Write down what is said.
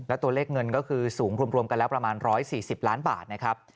และตัวเลขเงินก็คือสูงรวมกันแล้วประมาณ๑๔๐ล้านบาทนะครับ